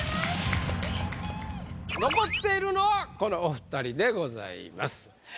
残っているのはこのお２人でございます。